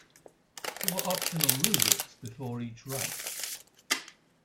There were optional rubrics before each rite.